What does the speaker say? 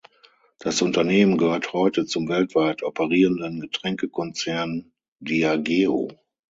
Das Unternehmen gehört heute zum weltweit operierenden Getränkekonzern Diageo.